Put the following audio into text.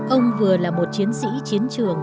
ông vừa là một chiến sĩ chiến trường